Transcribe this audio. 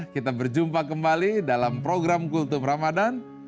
kita berjumpa kembali dalam program kultum ramadhan